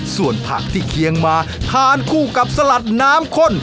ส่วนผักที่เคียงมาทานคู่กับสลัดน้ำข้น